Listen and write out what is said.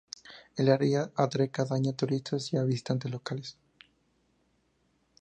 El área atrae cada año a turistas y a visitantes locales.